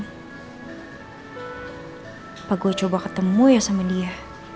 apa gue coba ketemu ya sama dia